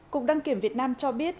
cục đăng kiểm việt nam cho biết